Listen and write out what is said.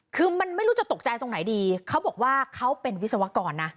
คือมันไม่รู้จะตกใจตรงไหนดีเขาบอกว่าเขาเป็นวิศวกรนะ